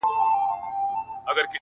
o څخه چي څه ووايم څنگه درته ووايم چي.